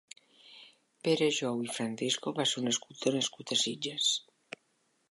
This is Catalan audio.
Pere Jou i Francisco va ser un escultor nascut a Sitges.